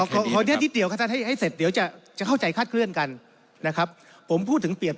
เกลียดเข้าใจคลาดเคลื่อนกันนะครับผมพูดถึงเปรียบ